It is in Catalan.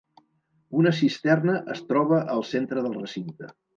Una cisterna es troba al centre del recinte.